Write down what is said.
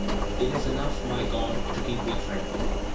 It is enough, my God, to keep me tranquil.